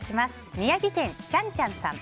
宮城県の方。